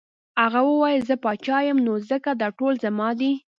هغه وویل زه پاچا یم نو ځکه دا ټول زما دي.